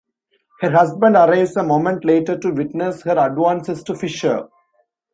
Her husband arrives a moment later to witness her advances to Fischer.